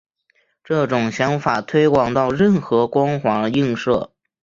这种想法推广到任何光滑映射。